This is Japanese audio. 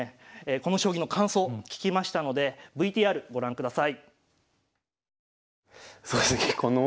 この将棋の感想聞きましたのでＶＴＲご覧ください。